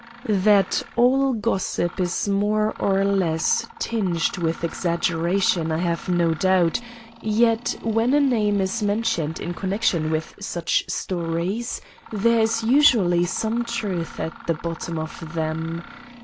"That all gossip is more or less tinged with exaggeration I have no doubt, yet when a name is mentioned in connection with such stories, there is usually some truth at the bottom of them.